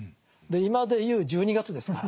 今でいう１２月ですから。